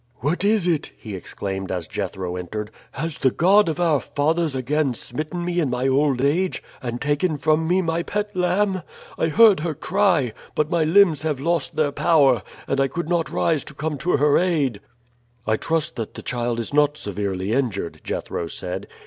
"What is it?" he exclaimed as Jethro entered. "Has the God of our fathers again smitten me in my old age, and taken from me my pet lamb? I heard her cry, but my limbs have lost their power, and I could not rise to come to her aid." "I trust that the child is not severely injured," Jethro said.